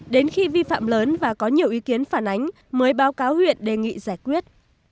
đến khi vi phạm lớn và có nhiều ý kiến phản ánh mới báo cáo huyện đề nghị giải quyết